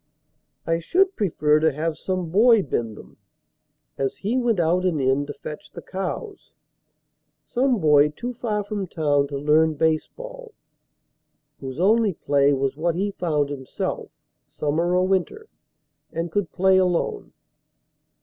I should prefer to have some boy bend them As he went out and in to fetch the cows Some boy too far from town to learn baseball, Whose only play was what he found himself, Summer or winter, and could play alone.